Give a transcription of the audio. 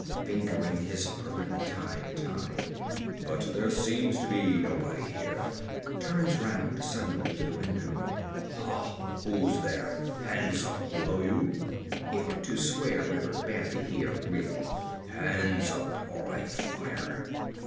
(Fingering his perfectly tied tie.) But there seems to be nobody here. (Turns round suddenly to the window.) Ha, who's there? Hands up, blow you (he ought to swear rather badly here, really) hands up or I fire!